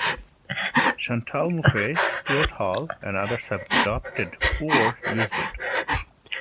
Chantal Mouffe, Stuart Hall, and others have adopted or used it.